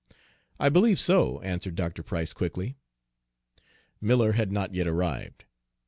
"I believe so," answered Dr. Price quickly. Miller had not yet arrived.